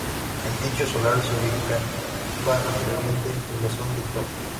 En dicho solar se ubicaba anteriormente el "Mesón del Toro".